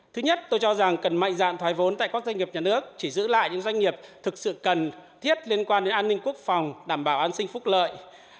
thứ nhất tôi cho rằng cần mạnh dạn thoái vốn tại các doanh nghiệp nhà nước chỉ giữ lại những doanh nghiệp thực sự cần thiết liên quan đến an ninh quốc phòng đảm bảo an sinh phúc lợi